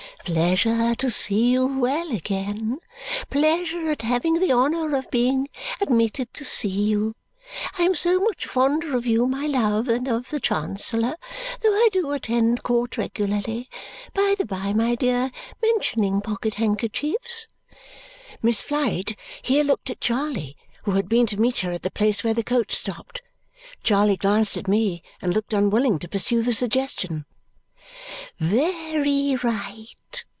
Pleasure to see you well again. Pleasure at having the honour of being admitted to see you. I am so much fonder of you, my love, than of the Chancellor. Though I DO attend court regularly. By the by, my dear, mentioning pocket handkerchiefs " Miss Flite here looked at Charley, who had been to meet her at the place where the coach stopped. Charley glanced at me and looked unwilling to pursue the suggestion. "Ve ry right!"